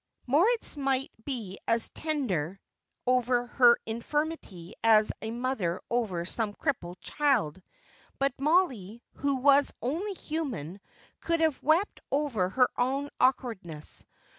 Moritz might be as tender over her infirmity as a mother over some cripple child; but Mollie, who was only human, could have wept over her own awkwardness.